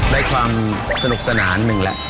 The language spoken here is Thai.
ได้ความสนุกสนานหนึ่งแล้ว